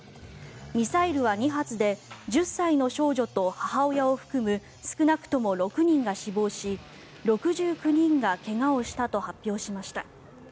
ミサイルは２発で１０歳の少女と母親を含む少なくとも６人が死亡し６９人が怪我をしたと発表しました。